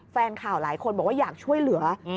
แฟนข่าวหลายคนบอกว่าอยากช่วยเหลือ